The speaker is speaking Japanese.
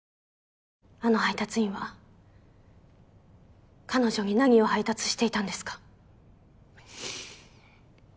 あの配達員は彼女に何を配達していたんですか？